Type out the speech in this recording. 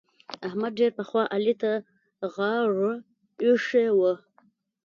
احمد ډېر پخوا علي ته غاړه اېښې ده.